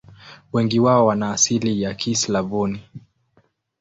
Wengi wao wana asili ya Kislavoni.